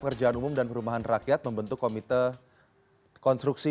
pekerjaan umum dan perumahan rakyat membentuk komite konstruksi